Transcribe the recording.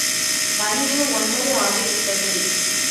மணியோ ஒன்பது ஆகிவிட்டது.